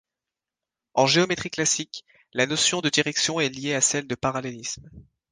En géométrie classique, la notion de direction est liée à celle de parallélisme.